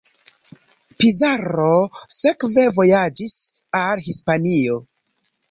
Pizarro sekve vojaĝis al Hispanio.